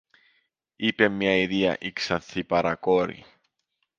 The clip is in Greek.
είπε με αηδία η ξανθή παρακόρη.